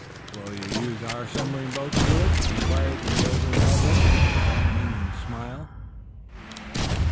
"Will you use our submarine boat to do it?" inquired the elder Melville, with a meaning smile.